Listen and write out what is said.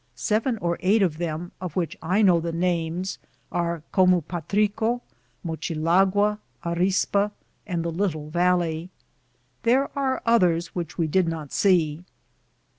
Seven or eight of them, of which I know the names, are Comu patrico, Mochilagua, Arispa, and the Little Valley. There are others which we did not see.